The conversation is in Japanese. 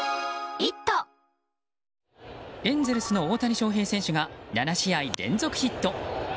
エンゼルスの大谷翔平選手が７試合連続ヒット。